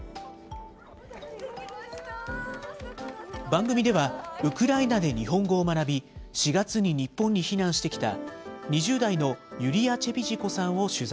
番組では、ウクライナで日本語を学び、４月に日本に避難してきた、２０代のユリヤ・チェピジコさんを取材。